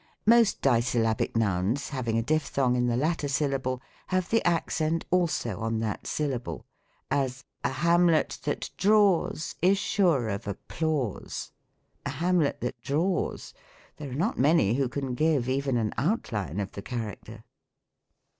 Most dissyllabic nouns, having a diplhong in the latter syllable, have the accent also on that syllable : as, " A Hamlet that draws Is sure of applause." A Hamlet that draws ? There are not many '.viio C3.n give even an outline of the character.